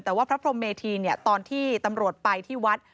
แต่ว่าพระพรมเมธีตอนที่ตำรวจไปที่วัด